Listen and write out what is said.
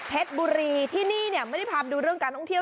เพชรบุรีที่นี่เนี่ยไม่ได้พามาดูเรื่องการธุ์ห้องเที่ยว